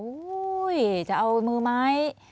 อุ๊ยจะเอามือไหม